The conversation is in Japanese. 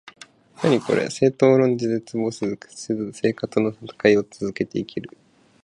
政党を論じ、絶望せず、屈せず生活のたたかいを続けて行ける